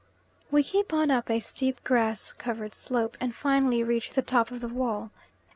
We keep on up a steep grass covered slope, and finally reach the top of the wall.